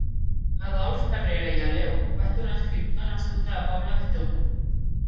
Adolf Carrera i Aleu va ser un escriptor nascut a la Pobla de Segur.